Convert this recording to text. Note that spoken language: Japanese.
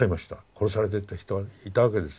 殺されてった人はいたわけです。